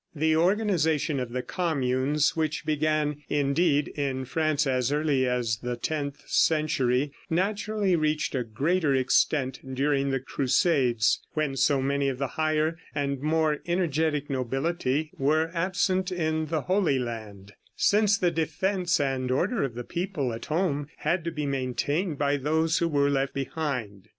The organization of the Communes, which began, indeed, in France as early as the tenth century, naturally reached a greater extent during the crusades, when so many of the higher and more energetic nobility were absent in the Holy Land, since the defense and order of the people at home had to be maintained by those who were left behind.